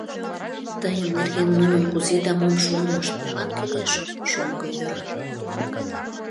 Тыйын нерген нунын кузе да мом шонымышт молан кӱлеш? — шоҥго ӧрӧ.